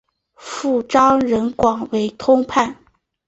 父张仁广为通判。